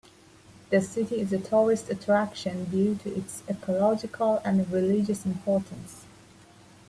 The city is a tourist attraction due to its ecological and religious importance.